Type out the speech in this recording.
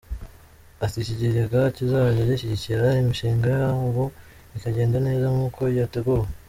Ati “Iki kigega kizajya gishyigikira imishinga yabo ikagenda neza nk’uko yateguwe.